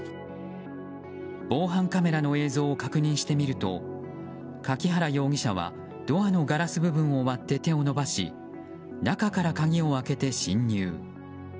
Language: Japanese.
防犯カメラの映像を確認してみると柿原容疑者はドアのガラス部分を割って手を伸ばし中から鍵を開けて侵入。